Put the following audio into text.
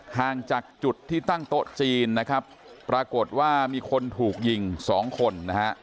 ห่างจากจุดที่ตั้งโต๊ะจีนนะครับปรากฏว่ามีคนถูกยิงสองคนนะฮะ